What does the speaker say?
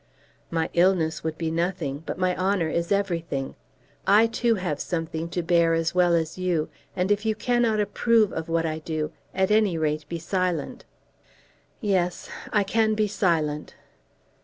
"My illness would be nothing, but my honour is everything. I, too, have something to bear as well as you, and if you cannot approve of what I do, at any rate be silent." "Yes; I can be silent."